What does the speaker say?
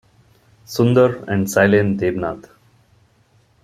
Sunder and Sailen Debnath.